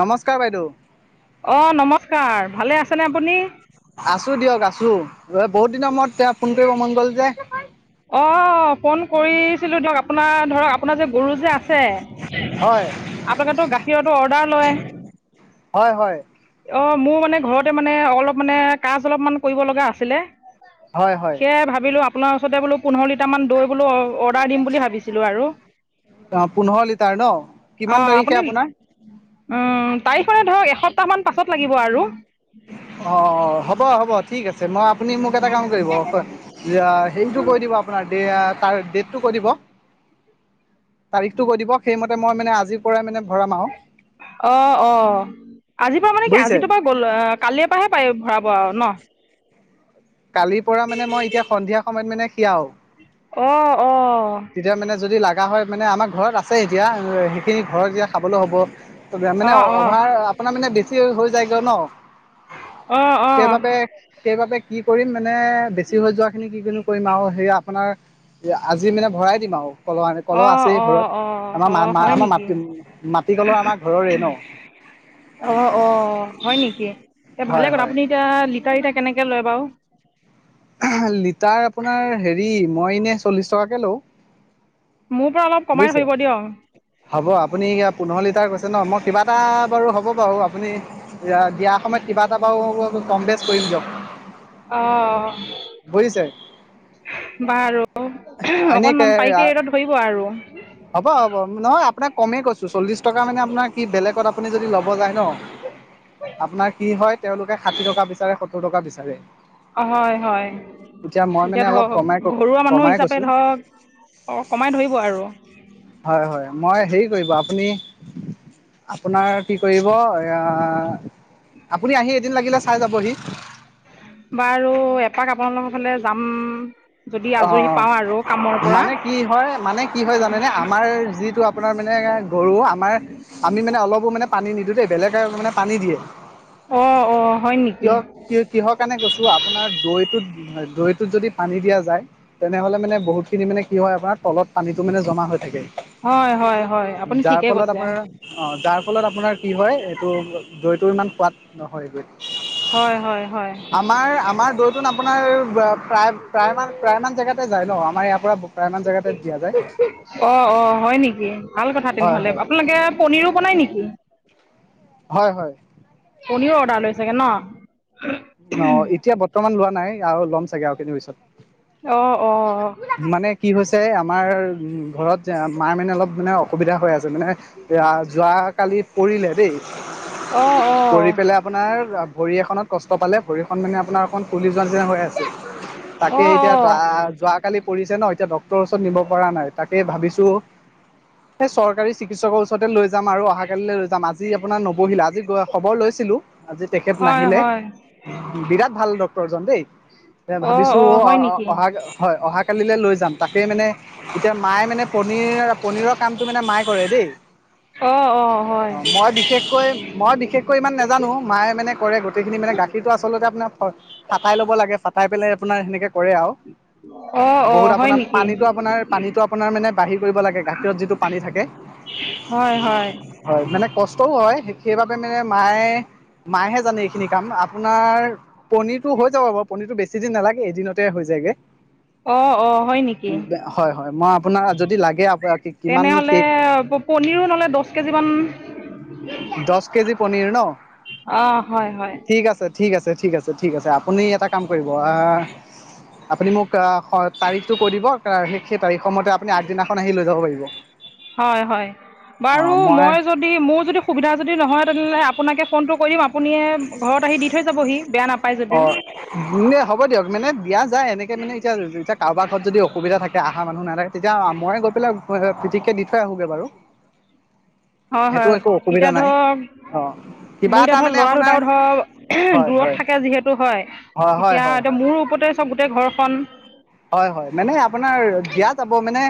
নমস্কাৰ বাইদেউ অ' নমস্কাৰ ভালে আছেনে আপুনি? আছো দিয়ক আছো ৰ বহুত দিনৰ মূৰত তেওঁ ফোন কৰিব মনগল যে অ', ফোন কৰিছিলো ধৰক আপোনাৰ ধৰক আপোনাৰ যে গৰু যে আছে হয় আপোনালোকেতো গাখীৰতো অৰ্ডাৰ লয়? হয় হয় অ' মোৰ মানে ঘৰতে মানে অলপ মানে কাজ অলপমান কৰিব লগা আছিলে হয় হয় সেয়ে ভাবিলো আপোনাৰ ওচৰতে বোলো পোন্ধৰ লিটাৰ মান দৈ বোলো অৰ্ডাৰ দিম বুলি ভাবিছিলো আৰু পোন্ধৰ লিটাৰ ন কিমান অঁ তাৰিখে আপুনি আপোনাৰ তাৰিখলে ধৰক এসপ্তাহমান পাছত লাগিব আৰু। অ' হ'ব হ'ব ঠিক আছে মই আপুনি মোক এটা কাম কৰিব হেৰিটো কৈ দিব আপোনাৰ ডোত তাৰ ডেটটো কৈ দিব তাৰিখটো কৈ দিব সেইমতে মই মানে আজিৰ পৰাই মানে ভৰাম আৰু অ' অ' আজিৰ পৰা মানে কি বুজিছে আজি পৰা গ'ল কালিৰ পৰাহে পায় ভৰাব আৰু ন কালিৰ পৰা মানে মই এতিয়া সন্ধিয়া সময়ত মানে খিৰাও। অ' অ' তেতিয়া মানে যদি লগা হয় মানে আমাৰ ঘৰত আছে এতিয়া সেইখিনি ঘৰত যেতিয়া খাবলৈ হ'ব। মানে অ' অভাৰ অ' আপোনাৰ মানে বেছি হৈ যায়গৈ ন। অ', অ', সেইবাবে সেইবাবে কি কৰিম মানে বেছি হৈ যোৱাখিনি কি কিনো কৰিম আৰু সেয়া আপোনাৰ আজি মানে ভৰাই দিম আৰু। কলহ আনি কলহ অ', আছেই ঘৰত। অ', অ', আমাৰ মা অ', মা হয় আমাৰ মা নেকি? মাটিকলহ আমাৰ ঘৰৰে ন অ' অ' হয় নেকি এ ভালে হয় কথা হয়। আপুনি এতিয়া লিটাৰ এতিয়া কেনেকে কেনেকে লয় বাৰু? লিটাৰ আপোনাৰ হেৰি মই এনে চল্লিশ টকাকে লওঁ। মোৰ পৰা অলপ কমাই বুজিছে, ধৰিব দিয়ক। হ'ব আপুনি পোন্ধৰ লিটাৰ কৈ নহয় মই কিবা এটা বাৰু হ'ব বাৰু আপুনি দিয়া সময়ত কিবা এটা বাৰু হ'ব কম বেছ কৰিম দিয়ক অ', বুজিছে বাৰু অকণ এনেকে পাইকাৰী ৰেটত ধৰিব আৰু। হ'ব হ'ব নহয় আপোনাক কমেই কৈছো চল্লিছ টকা মানে আপোনাৰ কি বেলেগত আপুনি যদি ল'ব যায় ন আপোনাৰ কি হয় তেওঁলোকে ষাঠি টকা বিচাৰে সত্তৰ টকা বিচাৰে অ হয়, হয়, এতিয়া মই মানে অলপ ধৰক ক'মাই ক ঘৰুৱা মানুহ হিচাপে কৈছো ধৰক অ', কমাই ধৰিব আৰু হয় হয় মই হ আপুনি আপোনাৰ কি কৰিব আপুনি আহি দিন লাগিলে চাই যাবহি? বাৰু এপাক আপোনালোকৰ ফালে যাম যদি আজৰি অ' পাওঁ আৰু কামৰ পৰা মানে কি হয় মানে কি হয় জানেনে, আমাৰ যিটো আপোনাৰ মানে গৰু আমাৰ আমি মানে অলপো মানে পানী নিদো দেই বেলেগে মানে পানী দিয়ে অ', অ', হয় নেকি? কিয় কিহৰ কাৰণে কৈছো আপোনাৰ দৈটোত দৈটোত যদি পানী দিয়া যায়, তেনেহ'লে মানে বহুতখিনি মানে কি হয় আপোনাৰ তলত পানীটো মানে জমা হৈ থাকে। হয় হয় হয়, আপুনি যাৰ ঠিকে ফলত কৈছে। আপোনাৰ অ' যাৰ ফলত আপোনাৰ কি হয় এইটো দৈটো ইমান সোৱাদ নহয় গৈ হয় হয় হয় আমাৰ আমাৰ দৌৰটোন আপোনাৰ প্ৰায় প্ৰায় মান ক জেগাতে যায় ন, আমাৰ ইয়াৰ পৰা ব অ', অ', হয় নেকি। ভাল কথা হয় তেনেহ'লে হয় আপোনালোকে পনীৰো বনাই নেকি? হয়-হয়, পনীৰ অৰ্ডাৰ লৈচেগে ন। অ' এতিয়া বৰ্তমান লোৱা নাই আৰু ল'ম চাগে আৰু কি পিছত মানে কি অ-অ, হৈছে আমাৰ উ ঘৰত মাৰ মানে অলপ মানে অসুবিধা হৈ আছে মানে যোৱা কালি পৰিলে দেই অ অ পৰি পেলাই আপোনাৰ ভৰি এখনত ক ক পালে ভৰিখন মানে আপোনাৰ অকণ ফুলিচ যোৱা নিচিনা হৈ আছে। অ অ তাকে এতিয়া যোৱাকালি পৰিছে ন এতিয়া ডক্টৰৰ ওচৰত নিব পৰা নাই তাকেই ভাবিছোঁ টো চৰকাৰী চিকিৎসকৰ ওচৰত যাম আৰু অহা কালিলৈ লৈ যাম আজি আপোনাৰ নবহিলে আজি খবৰ লৈছিলো আজি তেখেত হয় নাহিলে। হয় বিৰাট ভাল ডক্তৰজন দেই। উম। এ ভাবিছো অ-অ অহা হয় অহা কালিলৈ লৈ যাম তাকে মানে এতিয়া মায়ে মানে পনীৰ পনী-পনীৰৰ কামটো মানে মায়ে কৰে দেই। অ অ হয় অ' মই বিশেষকৈ মই বিশেষকৈ ইমান নাজানো মায়ে মানে কৰে গোটেইখিনি মানে গা আচলতে আপোনাৰ ফাটাই ল'ব লাগে ফাটাই পেলাই আপোনাৰ সেনেকে কৰে আৰু। অ অ বহুত হয় আপোনাৰ নেকি পানীটো আপোনাৰ পানীটো আপোনাৰ মানে বাঢ়ি কৰিব লাগে গাখীৰত যিটো পানী থাকে। হয় হয় হয় মানে কষ্টও হয়। সেইবাবে মানে মায়ে মায়েহে জানে এইখিনি কাম আপোনাৰ পনীৰটো হৈ যাব বাৰু পনীৰতটো বেছি দিন নালাগে এদিনতে হৈ যায়গে। অ অ হয় নেকি হয়-হয় মই আপোনাৰ যদি লাগে আ' কিমান তেনেহ'লে কেক পনীৰো ন'লে দচ কেজিমান। দচ কেজি পনীৰ ন অ হয় হয় ঠিক আছে। ঠিক আছে, ঠিক আছে, ঠিক আছে, আপুনি এটা কাম কৰিব আপুনি মোক তাৰিখটো কৈ দিব সেই তাৰিখ মতে আপুনি আগদিনাখন আহি লৈ যাব পাৰিব। হয়-হয় বাৰু মই যদি মোৰ যদি সুবিধা যদি নহয় তেনেহ'লে আপোনাকে ফোনটো কৰিম আপুনে ঘৰত আহি দি থৈ যাবহি বেয়া নাপায়। যদি অ', হ'ব দিয়ক মানে দিয়া যায় এনেকে মানে এতিয়া এতিয়া কাৰোবাৰ ঘৰত যদি অসুবিধা থাকে আহ অহা মানুহ নাাকে তেতিয়া ময়ে গৈ পেলাই পিতিককে দি থৈ আহীম বাৰু। সেইটো হয়-হয় একো এতিয়া অসুবিধা নাই ধৰক অ কিবা মোৰ এতিয়া এটা ধৰক মানে লৰা ধ আপোনাৰ ধৰক হয় দূৰত হয় থাকে যিহেতু হয় হয় হয় তেতিয়া হয় এতিয়া হয় মোৰ ওপৰতে, চব গোটেই ঘৰখন, হয়, হয় মানে আপোনাৰ দিয়া যাব মানে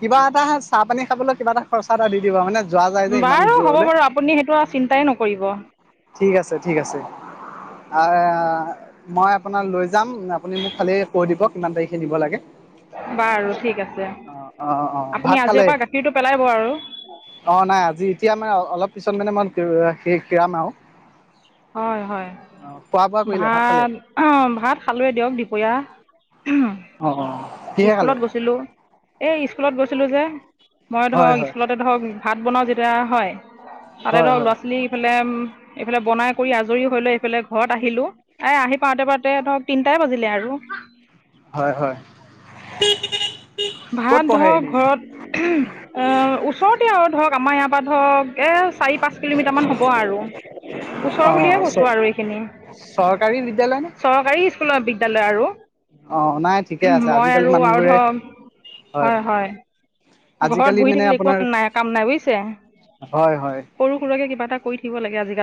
কিবা এটা চাহ পানী খাবলৈ কিবা এটা খৰচা এটা দি দিব মানে যোৱা যায় যে ইমান বাৰু হ'ব দূৰলে। বাৰু আপুনি সেইটো আৰু চিন্তাই নকৰিব ঠিক আছে, ঠিক আছে। মই আপোনাৰ লৈ যাম আপুনি মোক খালি কৈ দিব কিমান তাৰিখে নিব লাগে। বাৰু ঠিক আছে অ অ অ ভাত আপুনি খালে আজিৰ পৰা গাখীৰতটো পেলাইব আৰু। অ' নাই আজি এতিয়া মানে অলপ পিছত মানে মই কিৰিম আৰু। হয়-হয় অ খোৱা বোৱা কৰিলে ভাত খালে ভাত-ভাত খালোৱে দিয়ক দুপৰীয়া। অ-অ, স্কুলত গৈছিলো এই স্কুলত গৈছিলো যে, মই হয় ধৰক হয় স্কুলতে ধৰক ভাত বনাওঁ যেতিয়া হয় তাতে হয় ধৰক হয় ল'ৰা ছোৱালী ইফালে এইফালে বনাই কৰি আজৰি হৈ লৈ এইফালে ঘৰত আহিলো এ আহি পাওঁতে পাৰোতে ধৰক তিনটা। দিলে আৰু। হয়-হয়। বিপি [unintelligible] ভাত ধৰক ঘৰত ওচৰতে আৰু ধৰক আমাৰ ইয়াৰ পৰা ধৰক এই চাৰি পাঁচ কিলোমিটাৰমান হ'ব আৰু অ ওচৰ বুলিহে কৈছোঁ আৰু এইখিনি চৰকাৰী বিদ্যালয় নে চৰকাৰী স্কুলৰ বিদ্যয়ালয় আৰু অ নাই ঠিকে আছে মই আজিকালি আৰু আৰু মানুহবোৰে ধৰ হয় হয় ঘৰত আজিকালি বহি মানে থাকিলে একো আপোনাৰ এক নাই কাম নাই বুজিছে হয় হয় সৰু সুৰুকে কিবা এটা কৰি থাকিব লাগে আজি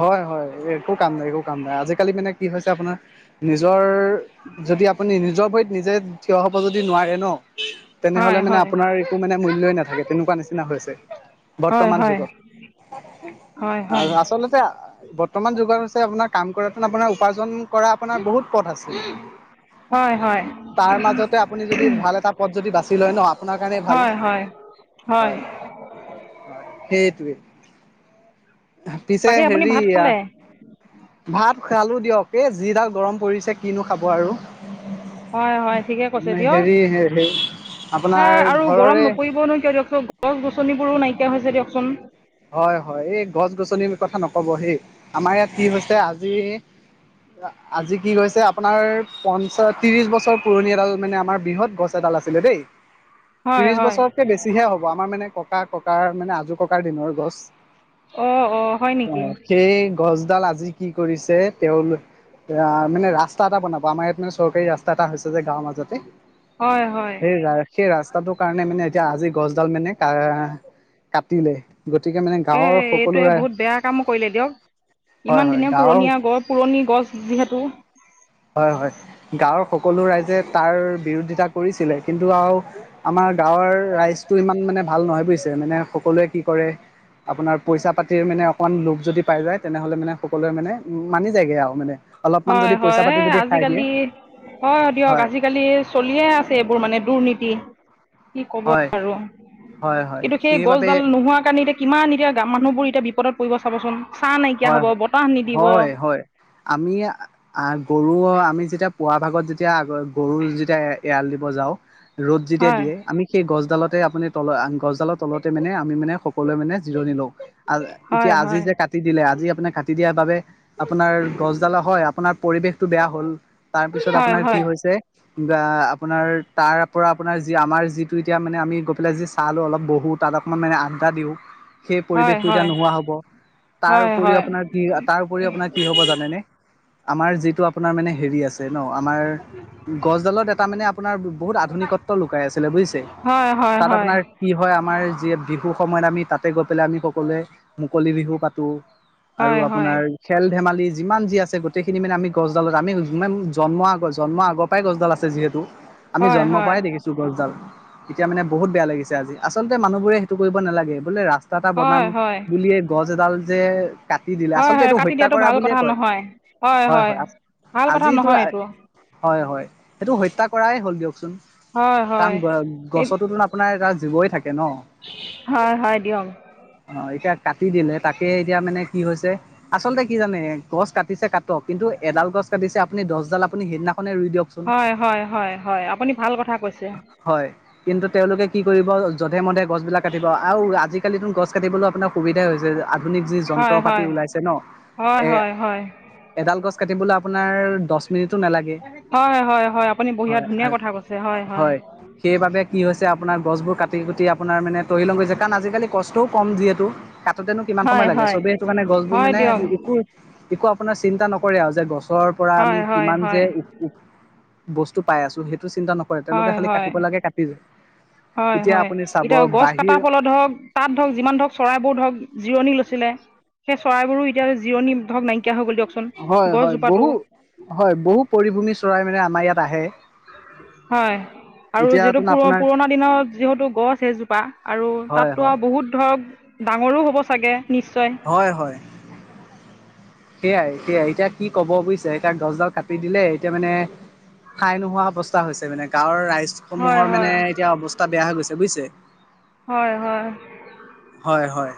হয় হয় একো কাম নাই একো কাম নাই আজিকালি মানে কি হৈছে আপোনাৰ নিজৰ যদি আপুনি নিজৰ ভৰিত নিজে থিয় হব যদি নোৱাৰে ন তেনেহলে হয় মানে হয় আপোনাৰ একো মানে মূল্যই নাথাকে তেনেকুৱা নিচিনা হৈছে হয় বৰ্তমান হয় যুগত হয় হয় আৰু আচলতে বৰ্তমান যুগত হৈছে আপোনাৰ কাম কৰাটো আপোনাৰ উপাৰ্জন কৰা আপোনাৰ বহুত পথ আছে হয় হয় তাৰ মাজতে আপুনি যদি ভাল এটা পথ যদি বাছি লয় ন আপোনাৰ কাৰণেই ভাল হয় হয় হয় হয় হয় সেই ত পিছে বাকী আপুনি হেৰি, ভাত খালে ভাত খালো দিয়ক এ যিডাক গৰম পৰিছে কিনো খাব আৰু হয় হয় ঠিকে কৈছে দিয় হেৰি হেৰি আপোনাৰ আৰু ঘৰৰে গৰম নপৰিবনো কিয় দিয়কচোন গছ গছনিবোৰো নাইকিয়া হৈছে দিয়কচোন ক'বহেই আমাৰ ইয়াত কি হৈছে আজি আজি কি গৈছে আপোনাৰ পঞ্চা ত্ৰিশ বছৰ পুৰণি এডাল মানে আমাৰ বৃহৎ গছ এডাল আছে আছিলে দেই হয় ত্ৰিশ হয় বছৰতকে বেছিহে হব আমাৰ মানে ককা ককাৰ মানে আজো ককাৰ দিনৰ গছ অ', অ' হয় নেকি? সেই গছডাল আজি কি কৰিছে তেওঁলোক এ মানে ৰাস্তা এটা বনাব আমাৰ ইয়াত মানে চৰকাৰী ৰাস্তা এটা হৈছে যে গাওঁ মাজতে হয় হয় সেই সেই ৰা্ত টাটোৰ কাৰণে মানে এতিয়া আজি গছডাল মানে কা কাটিলে গতিকে মানে এ গাঁৱৰ সকলো এইটোয়ে ৰাই বহুত বেয়া কাম কৰিলে দিয়ক হয় ইমান হয় দিনে গাঁৱৰ পুৰণীয়া গছ পুৰণি গছ যিহেতু হয় হয় গাঁৱৰ সকলো ৰাইজে তাৰ বিৰোধিতা কৰিছিলে কিন্তু আৰু আমাৰ গাঁৱৰ ৰাইজটো ইমান মানে ভাল নহয় বুজিছে মানে সকলোৱে কি কৰে আপোনাৰ পইচা পাতিৰ মানে অকমান লোভ যদি পাই যায় তেনেহলে মানে সকলোৱে মানে উ মানি যায়গে আৰু মানে অলপমান হয় যদি পইচা পাতি যদি খাই দিয়ে আজিকালি হয় দিয়ক আজিকালি চলিয়ে আছে এইবোৰ মানে দুৰ্নীতি কি কব হয় আৰু হয় হয় কিন্তু সেই সেইবাবে গছডাল নোহোৱাৰ কাৰণে এতিয়া কিমান এতিয়া মানুহবোৰ এতিয়া বিপদত পৰিব চাবাচোন। হয় হয় হয় হয় আমি গৰু আমি যেতিয়া পুৱা ভাগত যেতিয়া আগ গৰু যেতিয়া এৰাল দিব যাওঁ ৰ'দ যেতিয়া হয় দিয়ে আমি সেই গছডালত তাতে আপুনি তল গছডালৰ তলতে মানে আমি মানে সকলোৱে মানে জিৰণি লওক, এতিয়া হয় আজি হয় যে তাত আজি আপোন কাটি দিয়াৰ বাবে আপোনাৰ গছডালা হয় আপোনাৰ পৰিৱেশটো বেয়া হ'ল তাৰপিছত হয় আপোনাৰ হয় কি হৈছে? আপোনাৰ তাৰ পৰা আপোনাৰ যি আমাৰ যিটো এতিয়া মানে আমি গৈ পেলাই যি চাহালো অলপ বহুত তালকমান মানে আ্ডা দিওঁ সেই হয় পৰিৱেশটো এতিয়া হয় নোহোৱা হব তাৰ হয় উপৰিও হয় আপোনাৰ কি তাৰ উপৰি আপোনাৰ কি হব জানেনে আমাৰ যিটো আপোনাৰ মানে হেৰি আছে ছে ন আমাৰ গছডালত এটা মানে আপোনাৰ বহুত আধুনিকত্ব লুকাই আছিলে বুজিছে হয় হয় হয় তাত আপোনাৰ কি হয় আমাৰ যিয় বিহু সময়ত আমি তাতে গৈ পেলাই আমি সকলোৱে মুকলি বিহু পাতো আৰু হয় হয় আপোনাৰ খেল ধেমালি যিমান যি আছে গোটেইখিনি মানে আমি গছডালত আমি জন্মৰ আগ-জন্মৰ আগৰ পৰাই গছডাল আছে। যিহেতু আমি হয় জন্মৰ হয় পৰাই দেখিছোঁ গছডাল। এতিয়া মানে বহুত বেয়া লাগিছে আজি আচলতে মানুহবোৰে সেইটো কৰিব নালাগে বোলে ৰাস্তা ৰাস্তা এটা বনাম হয় হয় বুলিয়ে গছ এডাল যে কাটি দিলে হয় আচলতে হয় এইটো কাটি হত্যা দিয়াটো কৰা ভাল বুলিয়ে কথা কয় নহয় হয় হয় হয়-হয় ভাল কথা আজি তো [unintelligible] নহয় এইটো হয়- হয় সেইটো হত্যা কৰাই হ'ল দিয়কচোন। হয় কাৰণ হয় গ এই গছোতো আপোনাৰ এটা জীৱই থাকে ন। হয় হয় দিয়ক অ, এতিয়া কাটি দিলে। তাকে এতিয়া মানে কি হৈছে আচলতে কি জানে গছ কাটিছে কাটক কিন্তু এডাল গছ কাটিছে আপুনি গছডাল আপুনি সেইদিনা হয় -হয় -হয়- হয় আপুনি ভাল কথা কৈছে। হয় কিন্তু তেওঁলোকে কি কৰিব জধে মধে গছ বিলাক কাটিব, আৰু আজিকালিতো গছ কাটিবলৈ আপোনাৰ সুবিধাই হৈছে। আপুনি যি যন্ত্ৰ হয় -পাতি হয় উলাইছে নহ হয় এহ হয় হয় এডাল গছ কাটিম বুলি আপোনাৰ আমাৰ দহ মিনিটো নালাগে। হয় হয় হয় আপুনি বঢ়িয়া হয় ধুনীয়া আৰু কথা কৈছে হয় সেইবাবে কি হৈছে আপোনাৰ গছবোৰ কাটি কুটি আপোনাৰ মানে, তহিলং হৈছে, কাৰণ আজালি কষ্টও কম যিহেতু কাটোতে কিমান হয় সময় লাগে হয় সবেই সেইটো কাৰণে গছবোৰ হয় মানে দিয়ক একো একো আপোনাৰ চিন্তা নকৰে আৰু যে গছ গছৰ পৰা আমি হয় হয় কিমান হয় যে বস্তু পাই আছো। সেই ৰাস্তাটো চিন্তা নকৰে তেওঁলোকে হয় খালি হয় কাটিব লাগে কাটি যায়। হয়- এতিয়া হয় আপুনি চাব এতিয়া গছ বাহিৰ কটাৰ ফলত ধৰক তাত ধৰক যিমান ধৰক চৰাইবোৰ ধৰক জিৰণি লৈছে ছিলে সেই চৰাইবোৰো এতিয়া জিৰণি ধৰক নাইকিয়া হৈ গ'ল দিয়ক। হয় - হয় বহু, হয় বহু পৰিভূমি চৰাই মানে আমাৰ ইয়াত আহে। হয় আৰু যিহেতু এতিয়াতোন পুৰ আপোনাৰ পুৰণা দিনৰ যিহেতু গছ এজোপা আৰু হয় তাতো হয় আৰু বহুত ধৰক ডাঙৰো হ'ব চাগে নিশ্চয় হয়-হয়। সেয়াই সেয়াই এতিয়া কি ক'ব বুজিছে এতিয়া গছডাল কাটি দিলে এতিয়া মানে ঠাই নোহোৱা অৱস্থা হৈছে মানে গাঁৱৰ হয় ৰাইজসমূহৰ মানে হয় এতিয়া অৱস্থা বেয়া হৈ গৈছে বুইছে হয়- হয়। হয় হয়